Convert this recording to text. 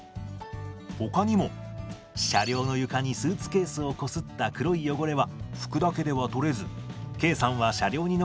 ほかにも「車両の床にスーツケースをこすった黒い汚れは拭くだけでは取れずＫさんは車両に残って丁寧に拭いてくれました。